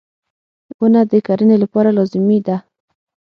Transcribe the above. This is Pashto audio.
• ونه د کرنې لپاره لازمي ده.